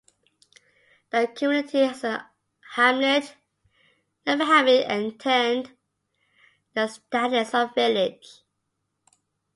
This community is a hamlet, never having attained the status of village.